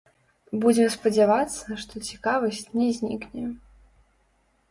Будзем спадзявацца, што цікавасць не знікне.